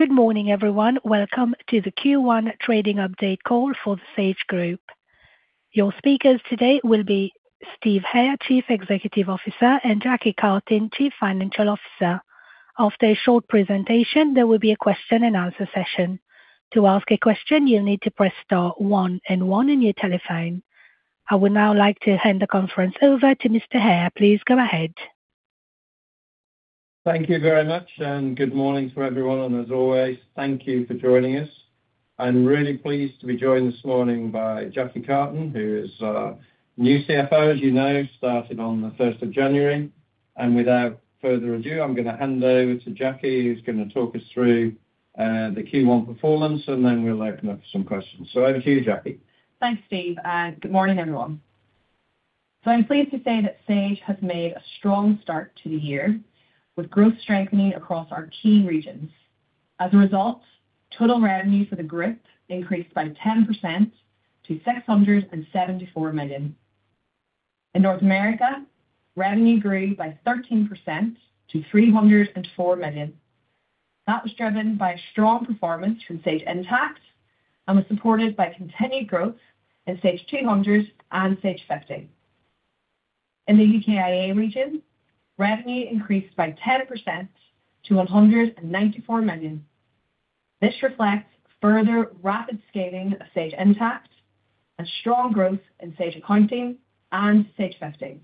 Good morning, everyone. Welcome to the Q1 trading update call for the Sage Group. Your speakers today will be Steve Hare, Chief Executive Officer, and Jacqui Cartin, Chief Financial Officer. After a short presentation, there will be a question and answer session. To ask a question, you'll need to press star one and one on your telephone. I would now like to hand the conference over to Mr. Hare. Please go ahead. Thank you very much, and good morning to everyone, and as always, thank you for joining us. I'm really pleased to be joined this morning by Jacqui Cartin, who is our new CFO, as you know, started on the first of January. And without further ado, I'm going to hand over to Jacqui, who's going to talk us through the Q1 performance, and then we'll open up for some questions. So over to you, Jacqui. Thanks, Steve, and good morning, everyone. So I'm pleased to say that Sage has made a strong start to the year, with growth strengthening across our key regions. As a result, total revenue for the group increased by 10% to 674 million. In North America, revenue grew by 13% to 304 million. That was driven by strong performance from Sage Intacct and was supported by continued growth in Sage 200 and Sage 50. In the UKIA region, revenue increased by 10% to 194 million. This reflects further rapid scaling of Sage Intacct and strong growth in Sage Accounting and Sage 50.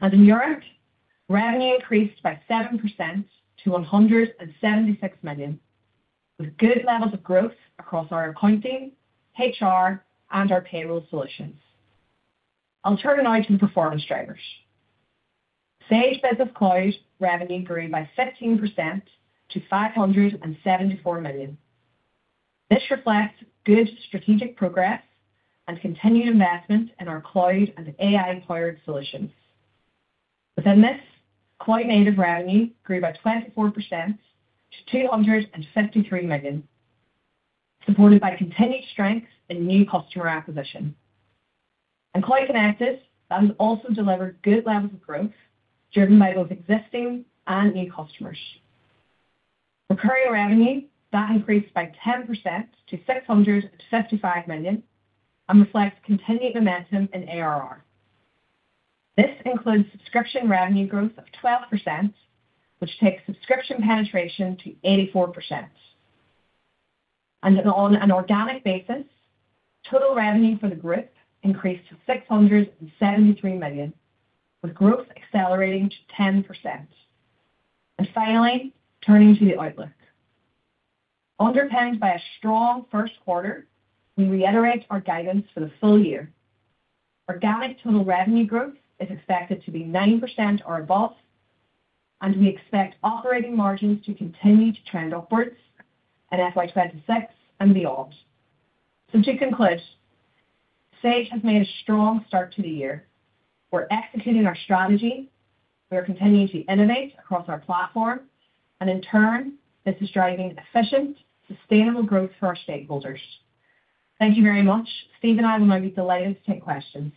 And in Europe, revenue increased by 7% to 176 million, with good levels of growth across our accounting, HR, and our payroll solutions. I'll turn now to the performance drivers. Sage Business Cloud revenue grew by 15% to 574 million. This reflects good strategic progress and continued investment in our cloud and AI-powered solutions. Within this, Cloud Native revenue grew by 24% to 253 million, supported by continued strength in new customer acquisition. Cloud Connected, that has also delivered good levels of growth, driven by both existing and new customers. Recurring revenue, that increased by 10% to 675 million and reflects continued momentum in ARR. This includes subscription revenue growth of 12%, which takes subscription penetration to 84%. On an organic basis, total revenue for the group increased to 673 million, with growth accelerating to 10%. Finally, turning to the outlook. Underpinned by a strong first quarter, we reiterate our guidance for the full year. Organic total revenue growth is expected to be 9% or above, and we expect operating margins to continue to trend upward in FY 2026 and beyond. So to conclude, Sage has made a strong start to the year. We're executing our strategy, we are continuing to innovate across our platform, and in turn, this is driving efficient, sustainable growth for our stakeholders. Thank you very much. Steve and I will now be delighted to take questions.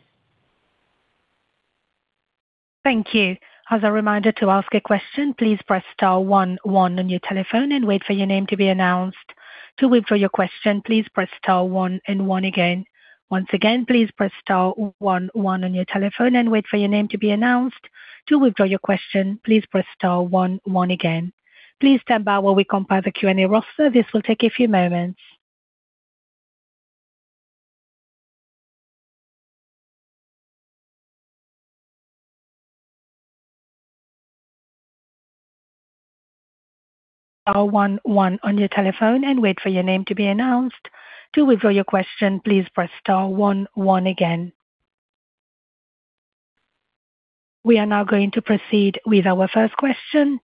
Thank you. As a reminder to ask a question, please press star one one on your telephone and wait for your name to be announced. To withdraw your question, please press star one and one again. Once again, please press star one one on your telephone and wait for your name to be announced. To withdraw your question, please press star one one again. Please stand by while we compile the Q&A roster. This will take a few moments. Star one one on your telephone and wait for your name to be announced. To withdraw your question, please press star one one again. We are now going to proceed with our first question.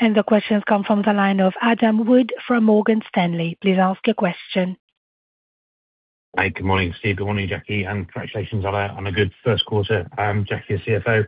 The question comes from the line of Adam Wood from Morgan Stanley. Please ask your question. Hi, good morning, Steve. Good morning, Jacqui, and congratulations on a good first quarter, Jacqui, as CFO.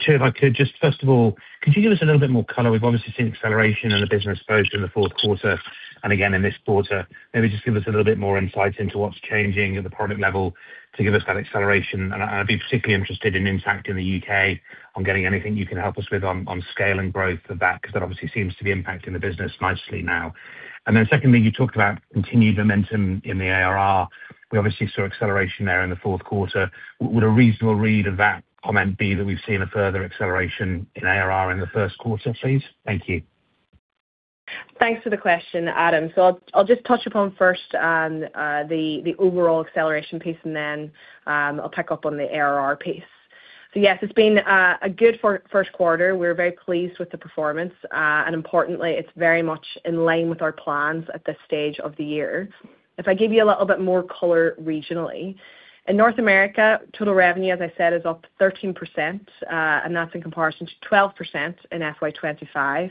Two, if I could, just first of all, could you give us a little bit more color? We've obviously seen acceleration in the business, both in the fourth quarter and again in this quarter. Maybe just give us a little bit more insight into what's changing at the product level to give us that acceleration. And I'd be particularly interested in Intacct in the U.K., on getting anything you can help us with on scale and growth of that, because that obviously seems to be impacting the business nicely now. And then secondly, you talked about continued momentum in the ARR. We obviously saw acceleration there in the fourth quarter. Would a reasonable read of that comment be that we've seen a further acceleration in ARR in the first quarter, please? Thank you. Thanks for the question, Adam. So I'll, I'll just touch upon first the overall acceleration piece, and then I'll pick up on the ARR piece. So yes, it's been a good first quarter. We're very pleased with the performance, and importantly, it's very much in line with our plans at this stage of the year. If I give you a little bit more color regionally, in North America, total revenue, as I said, is up 13%, and that's in comparison to 12% in FY 2025.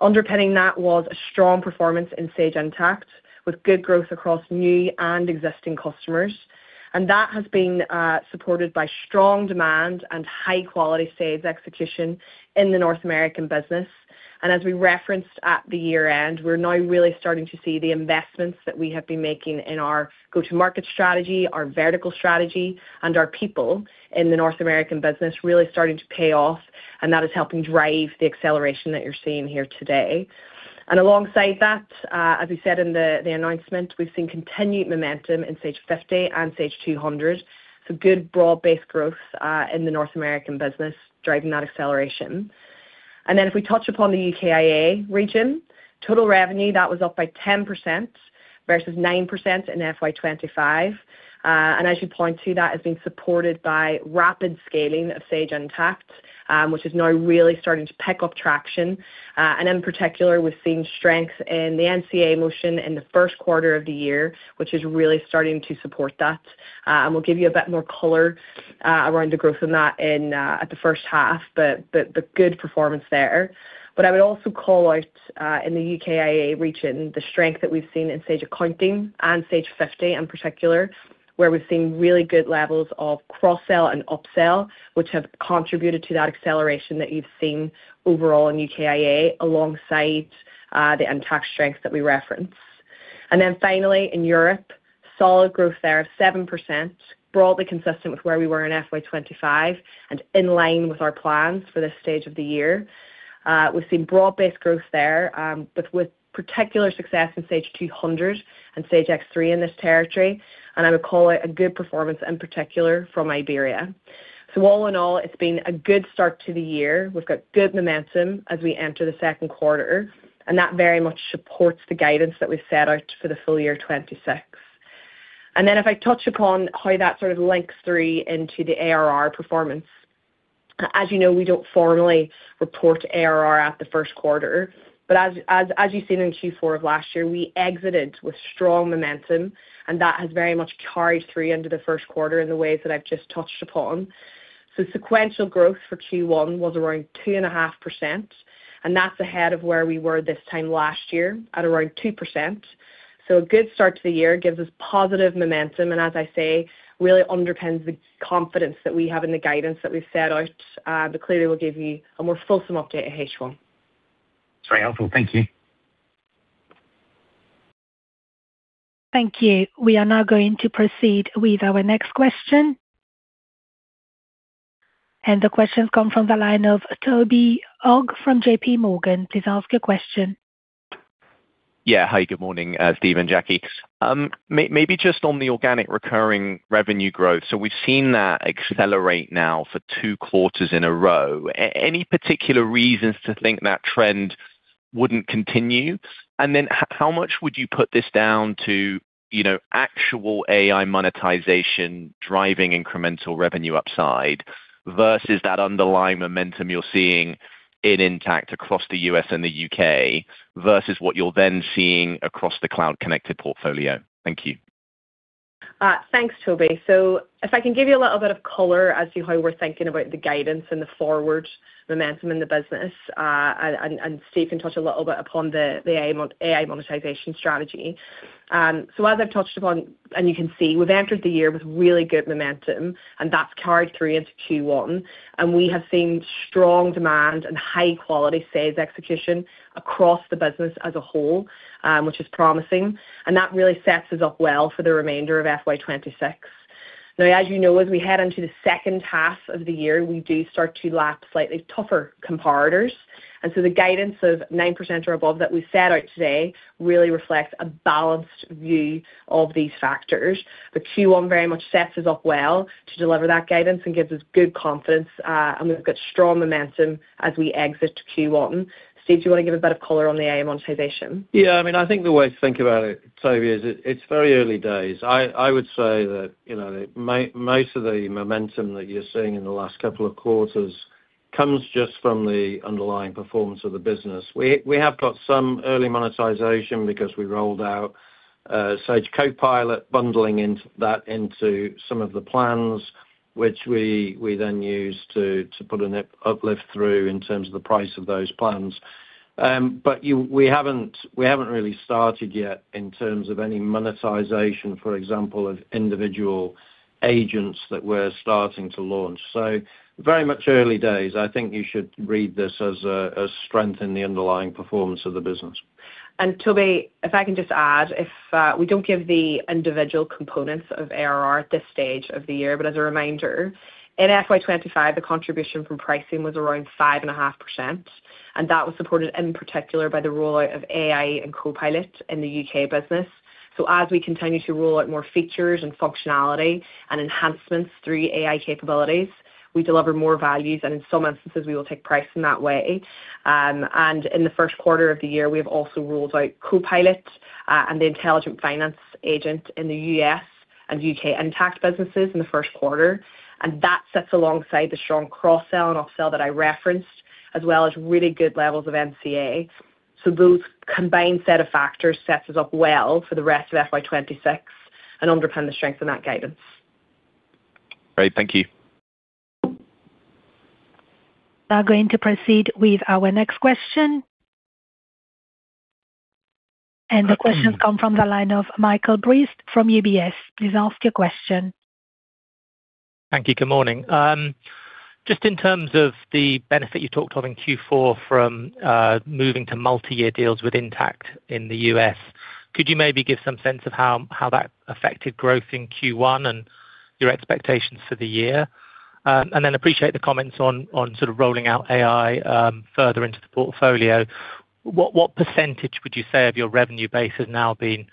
Underpinning that was a strong performance in Sage Intacct, with good growth across new and existing customers. And that has been supported by strong demand and high-quality sales execution in the North American business. As we referenced at the year-end, we're now really starting to see the investments that we have been making in our go-to-market strategy, our vertical strategy, and our people in the North American business really starting to pay off, and that is helping drive the acceleration that you're seeing here today. And alongside that, as we said in the announcement, we've seen continued momentum in Sage 50 and Sage 200, so good broad-based growth in the North American business, driving that acceleration. And then if we touch upon the UKIA region, total revenue, that was up by 10% versus 9% in FY 2025. And I should point to that as being supported by rapid scaling of Sage Intacct, which is now really starting to pick up traction. In particular, we're seeing strength in the NCA motion in the first quarter of the year, which is really starting to support that. We'll give you a bit more color around the growth in that at the first half, but the good performance there. But I would also call out in the UKIA region the strength that we've seen in Sage Accounting and Sage 50 in particular, where we've seen really good levels of cross-sell and upsell, which have contributed to that acceleration that you've seen overall in UKIA, alongside the Intacct strength that we referenced. And then finally, in Europe, solid growth there of 7%, broadly consistent with where we were in FY 2025 and in line with our plans for this stage of the year. We've seen broad-based growth there, but with particular success in Sage 200 and Sage X3 in this territory, and I would call it a good performance, in particular from Iberia. So all in all, it's been a good start to the year. We've got good momentum as we enter the second quarter, and that very much supports the guidance that we've set out for the full year 2026. Then if I touch upon how that sort of links through into the ARR performance. As you know, we don't formally report ARR at the first quarter, but as you've seen in Q4 of last year, we exited with strong momentum, and that has very much carried through into the first quarter in the ways that I've just touched upon. So sequential growth for Q1 was around 2.5%, and that's ahead of where we were this time last year at around 2%. So a good start to the year, gives us positive momentum, and as I say, really underpins the confidence that we have in the guidance that we've set out, but clearly we'll give you a more fulsome update at H1. Very helpful. Thank you. Thank you. We are now going to proceed with our next question. The question comes from the line of Toby Ogg from JPMorgan. Please ask your question. Yeah. Hi, good morning, Steve and Jacqui. Maybe just on the organic recurring revenue growth. So we've seen that accelerate now for two quarters in a row. Any particular reasons to think that trend wouldn't continue? And then how much would you put this down to, you know, actual AI monetization driving incremental revenue upside versus that underlying momentum you're seeing in Intacct across the U.S. and the U.K., versus what you're then seeing across the cloud-connected portfolio? Thank you. Thanks, Toby. So if I can give you a little bit of color as to how we're thinking about the guidance and the forward momentum in the business, and Steve can touch a little bit upon the AI monetization strategy. So as I've touched upon, and you can see, we've entered the year with really good momentum, and that's carried through into Q1, and we have seen strong demand and high-quality sales execution across the business as a whole, which is promising, and that really sets us up well for the remainder of FY 2026. Now, as you know, as we head into the second half of the year, we do start to lap slightly tougher comparators, and so the guidance of 9% or above that we set out today really reflects a balanced view of these factors. But Q1 very much sets us up well to deliver that guidance and gives us good confidence, and we've got strong momentum as we exit Q1. Steve, do you want to give a bit of color on the AI monetization? Yeah, I mean, I think the way to think about it, Toby, is it's very early days. I would say that, you know, most of the momentum that you're seeing in the last couple of quarters comes just from the underlying performance of the business. We have got some early monetization because we rolled out Sage Copilot, bundling that into some of the plans, which we then used to put an uplift through in terms of the price of those plans. We haven't really started yet in terms of any monetization, for example, of individual agents that we're starting to launch, so very much early days. I think you should read this as a strength in the underlying performance of the business. And Toby, if I can just add, we don't give the individual components of ARR at this stage of the year, but as a reminder, in FY 2025, the contribution from pricing was around 5.5%, and that was supported in particular by the rollout of AI and Copilot in the U.K. business. So as we continue to roll out more features and functionality and enhancements through AI capabilities, we deliver more values, and in some instances, we will take price in that way. And in the first quarter of the year, we have also rolled out Copilot, and the Finance Intelligence Agent in the U.S. and U.K. Intacct businesses in the first quarter, and that sits alongside the strong cross-sell and upsell that I referenced, as well as really good levels of NCA. So those combined set of factors sets us up well for the rest of FY 2026 and underpin the strength in that guidance. Great. Thank you. Now going to proceed with our next question. The question come from the line of Michael Briest from UBS. Please ask your question. Thank you. Good morning. Just in terms of the benefit you talked about in Q4 from moving to multi-year deals with Intacct in the U.S., could you maybe give some sense of how that affected growth in Q1 and your expectations for the year? And then appreciate the comments on sort of rolling out AI further into the portfolio. What percentage would you say of your revenue base has now been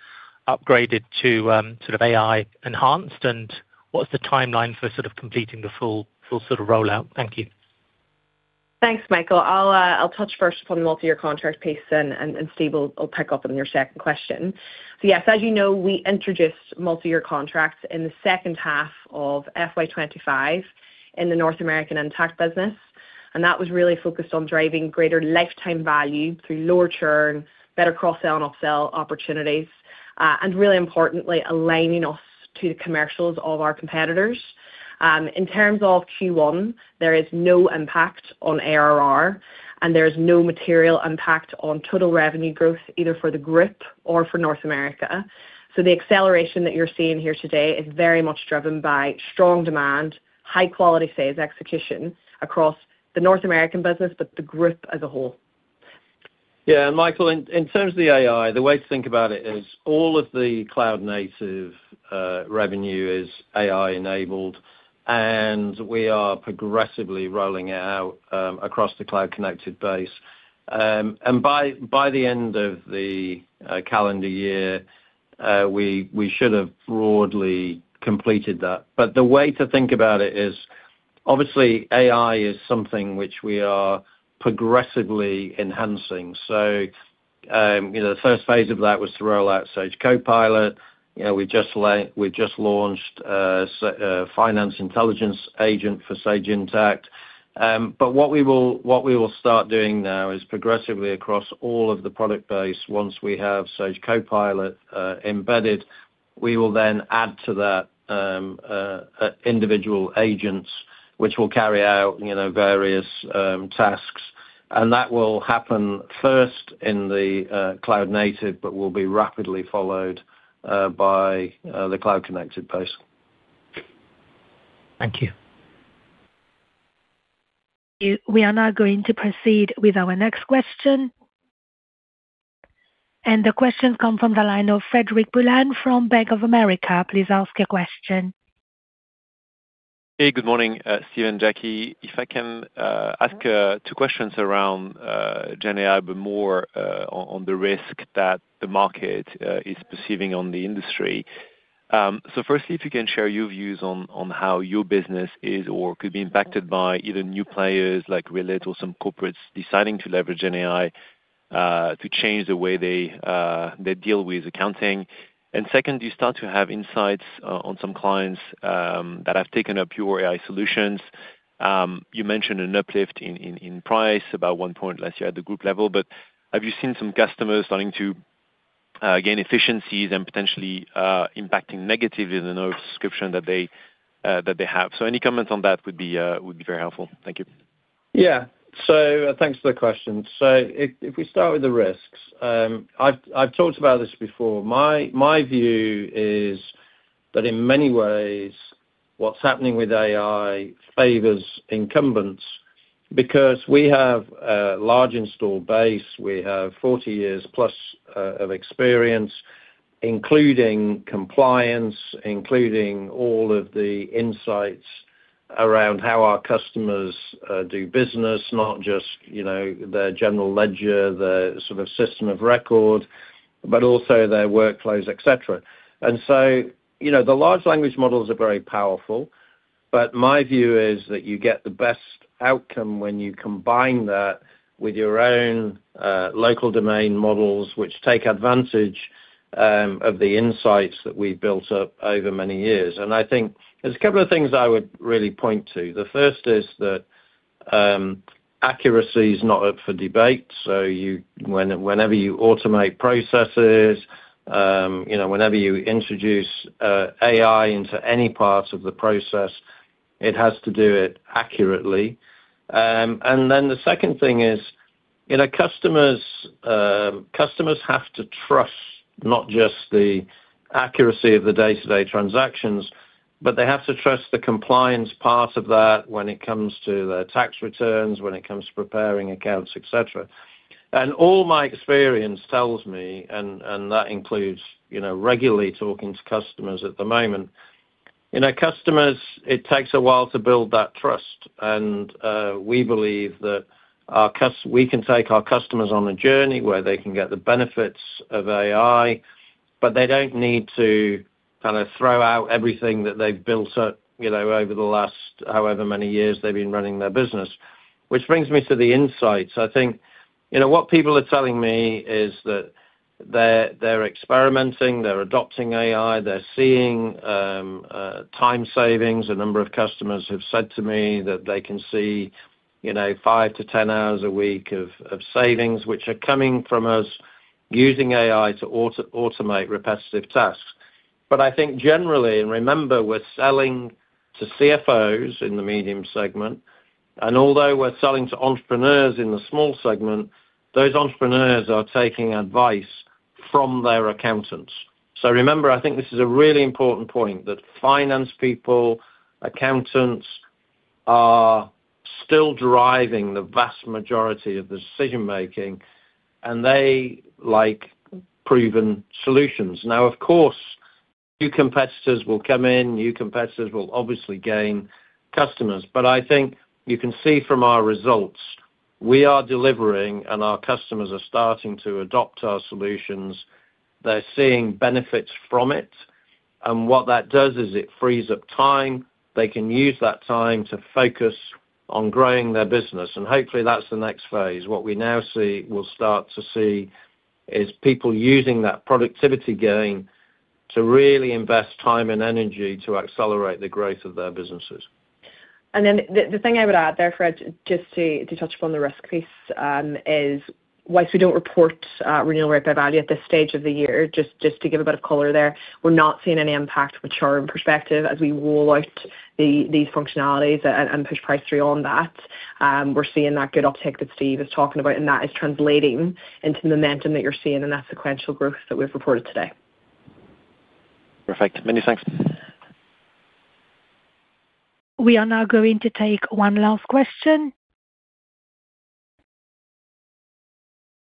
upgraded to sort of AI enhanced? And what is the timeline for sort of completing the full sort of rollout? Thank you. Thanks, Michael. I'll touch first on the multi-year contract pace, and Steve will pick up on your second question. So, yes, as you know, we introduced multi-year contracts in the second half of FY 2025 in the North American Intacct business, and that was really focused on driving greater lifetime value through lower churn, better cross-sell and upsell opportunities, and really importantly, aligning us to the commercials of our competitors. In terms of Q1, there is no impact on ARR, and there is no material impact on total revenue growth, either for the group or for North America. So the acceleration that you're seeing here today is very much driven by strong demand, high quality sales execution across the North American business, but the group as a whole. Yeah, Michael, in terms of the AI, the way to think about it is all of the cloud native revenue is AI-enabled, and we are progressively rolling it out across the cloud connected base. And by the end of the calendar year, we should have broadly completed that. But the way to think about it is, obviously AI is something which we are progressively enhancing. So, you know, the first phase of that was to roll out Sage Copilot. You know, we've just launched Finance Intelligence Agent for Sage Intacct. But what we will start doing now is progressively across all of the product base, once we have Sage Copilot embedded, we will then add to that individual agents, which will carry out, you know, various tasks. And that will happen first in the Cloud Native, but will be rapidly followed by the Cloud Connected products. Thank you. We are now going to proceed with our next question. The question come from the line of Frederic Boulan from Bank of America. Please ask your question. Hey, good morning, Steve and Jacqui. If I can ask two questions around GenAI, but more on the risk that the market is perceiving on the industry. So firstly, if you can share your views on how your business is or could be impacted by either new players like Rillet or some corporates deciding to leverage an AI to change the way they deal with accounting. And second, do you start to have insights on some clients that have taken up your AI solutions? You mentioned an uplift in price about one point last year at the group level, but have you seen some customers starting to gain efficiencies and potentially impacting negatively the subscription that they have? So any comments on that would be, would be very helpful. Thank you. Yeah. So thanks for the question. So if we start with the risks, I've talked about this before. My view is that in many ways, what's happening with AI favors incumbents, because we have a large install base, we have 40 years+ of experience, including compliance, including all of the insights around how our customers do business, not just, you know, their general ledger, their sort of system of record, but also their workflows, et cetera. And so, you know, the large language models are very powerful, but my view is that you get the best outcome when you combine that with your own local domain models, which take advantage of the insights that we've built up over many years. And I think there's a couple of things I would really point to. The first is that accuracy is not up for debate, so whenever you automate processes, you know, whenever you introduce AI into any part of the process, it has to do it accurately. And then the second thing is, you know, customers have to trust not just the accuracy of the day-to-day transactions, but they have to trust the compliance part of that when it comes to their tax returns, when it comes to preparing accounts, et cetera. All my experience tells me, and that includes, you know, regularly talking to customers at the moment, you know, customers. It takes a while to build that trust, and we believe that we can take our customers on a journey where they can get the benefits of AI, but they don't need to kinda throw out everything that they've built up, you know, over the last however many years they've been running their business. Which brings me to the insights. I think, you know, what people are telling me is that they're experimenting, they're adopting AI, they're seeing time savings. A number of customers have said to me that they can see, you know, 5-10 hours a week of savings, which are coming from us using AI to automate repetitive tasks. But I think generally, and remember, we're selling to CFOs in the medium segment, and although we're selling to entrepreneurs in the small segment, those entrepreneurs are taking advice from their accountants. So remember, I think this is a really important point, that finance people, accountants, are still driving the vast majority of the decision making, and they like proven solutions. Now, of course, new competitors will come in, new competitors will obviously gain customers, but I think you can see from our results, we are delivering, and our customers are starting to adopt our solutions. They're seeing benefits from it, and what that does is it frees up time. They can use that time to focus on growing their business, and hopefully that's the next phase. What we now see, will start to see, is people using that productivity gain to really invest time and energy to accelerate the growth of their businesses. And then the thing I would add there, Fred, just to touch upon the risk piece, is while we don't report renewal rate by value at this stage of the year, just to give a bit of color there, we're not seeing any impact with churn perspective as we roll out these functionalities and push price through on that. We're seeing that good uptick that Steve is talking about, and that is translating into the momentum that you're seeing in that sequential growth that we've reported today. Perfect. Many thanks. We are now going to take one last question.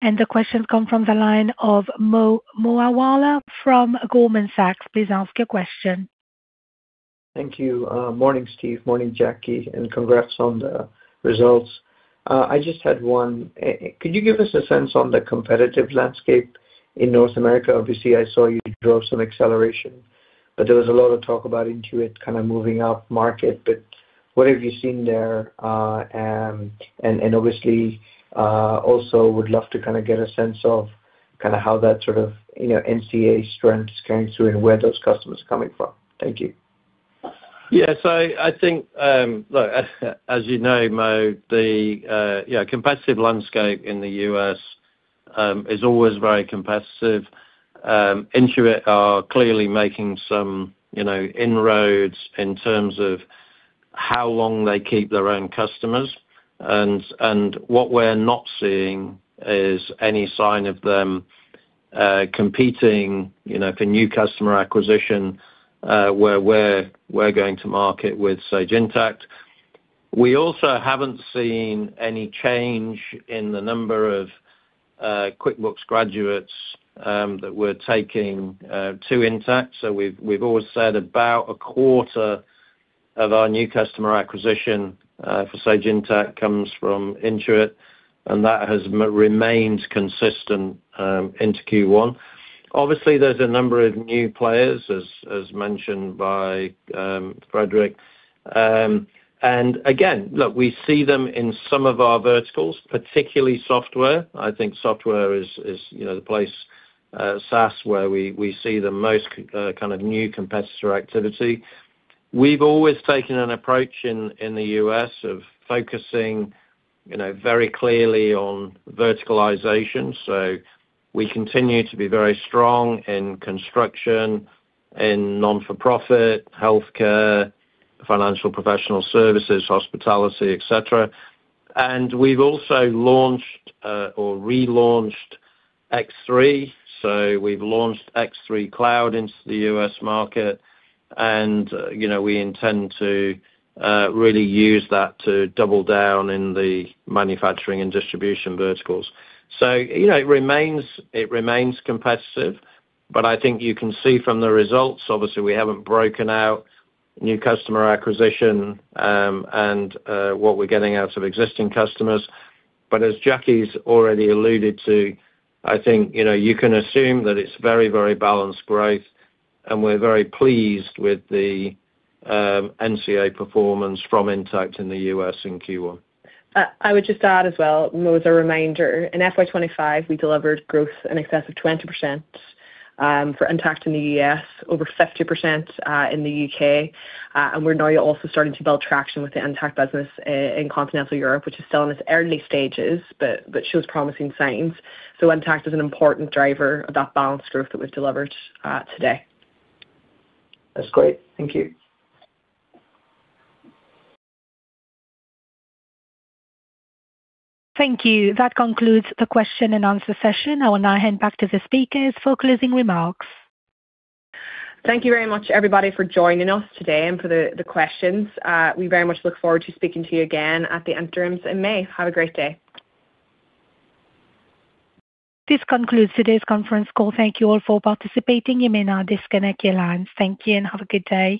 The question come from the line of Mohammed Moawalla from Goldman Sachs. Please ask your question. Thank you. Morning, Steve, morning, Jacqui, and congrats on the results. I just had one, could you give us a sense on the competitive landscape in North America? Obviously, I saw you drove some acceleration, but there was a lot of talk about Intuit kind of moving up market, but what have you seen there? And obviously, also would love to kind of get a sense of kind of how that sort of, you know, NCA strength is coming through and where those customers are coming from. Thank you. Yes. I think, look, as you know, Mo, the competitive landscape in the U.S. is always very competitive. Intuit are clearly making some, you know, inroads in terms of how long they keep their own customers. And what we're not seeing is any sign of them competing, you know, for new customer acquisition where we're going to market with Sage Intacct. We also haven't seen any change in the number of QuickBooks graduates that we're taking to Intacct, so we've always said about a quarter of our new customer acquisition for Sage Intacct comes from Intuit, and that remains consistent into Q1. Obviously, there's a number of new players, as mentioned by Frederic. And again, look, we see them in some of our verticals, particularly software. I think software is, you know, the place, SaaS, where we see the most kind of new competitor activity. We've always taken an approach in the U.S. of focusing, you know, very clearly on verticalization, so we continue to be very strong in construction, in non-for-profit, healthcare, financial professional services, hospitality, et cetera. And we've also launched or relaunched X3, so we've launched X3 Cloud into the U.S. market, and, you know, we intend to really use that to double down in the manufacturing and distribution verticals. So, you know, it remains, it remains competitive, but I think you can see from the results, obviously, we haven't broken out new customer acquisition, and what we're getting out of existing customers. But as Jacqui's already alluded to, I think, you know, you can assume that it's very, very balanced growth, and we're very pleased with the NCA performance from Intacct in the U.S. in Q1. I would just add as well, Mo, as a reminder, in FY 2025, we delivered growth in excess of 20% for Intacct in the U.S., over 50% in the U.K., and we're now also starting to build traction with the Intacct business in continental Europe, which is still in its early stages, but shows promising signs. So Intacct is an important driver of that balanced growth that was delivered today. That's great. Thank you. Thank you. That concludes the question and answer session. I will now hand back to the speakers for closing remarks. Thank you very much, everybody, for joining us today and for the questions. We very much look forward to speaking to you again at the interims in May. Have a great day. This concludes today's conference call. Thank you all for participating. You may now disconnect your lines. Thank you, and have a good day.